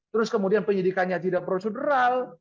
terus kemudian penyidikannya tidak prosedural